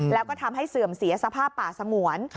แล้วก็ทำให้เสื่อมเสียสภาพป่าสงวน